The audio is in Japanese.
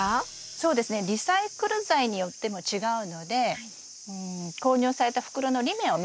そうですねリサイクル材によっても違うのでうん購入された袋の裏面を見て頂くといいと思います。